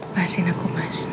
pasin aku mas